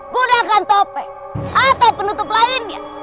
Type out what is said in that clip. gunakan topeng atau penutup lainnya